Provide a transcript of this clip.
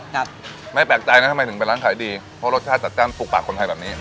ครับไม่แปลกใจนะทำไมถึงเป็นร้านขายดีเพราะรสชาติจัดจ้านถูกปากคนไทยแบบนี้